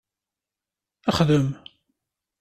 Xdem!